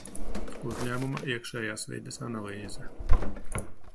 Uzņēmuma iekšējās vides analīze.